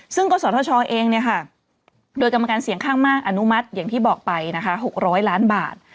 ซึ่งกศธชเองโดยกรรมการเสียงข้างมากอนุมัติอย่างที่บอกไปนะคะ๖๐๐ล้านบาท